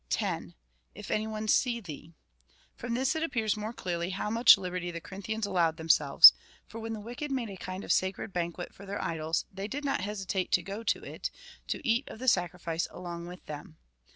10. If any one see thee. From this it appears more clearly, how much liberty the Corinthians allowed themselves ; for when the wicked made a kind of sacred banquet for their idols, they did not hesitate^ to go to it, to eat of the sacri fice along with them.